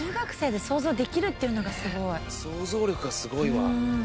想像力がすごいわ。